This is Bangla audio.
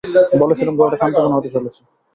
বলেছিলাম গ্রহটা শান্তিপূর্ণ হতে চলেছে।